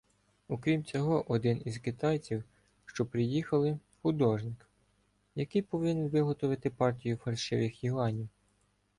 Окрім цього один із китайців, що приїхали, художник, який повинен виготовити партію фальшивих юанів.